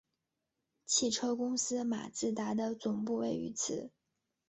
汽车公司马自达的总部位于此。